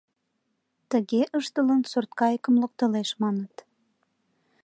Тыге ыштылын, сурткайыкым локтылеш, маныт.